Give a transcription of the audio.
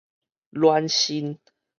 暖身